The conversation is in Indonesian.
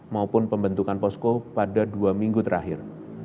maupun pembentukan posko pada dua minggu terakhir